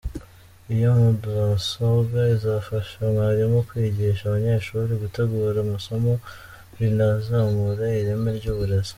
Iyi mudasobwa izafasha mwalimu kwigisha abanyeshuri, gutegura amasomo binazamure ireme ry’uburezi.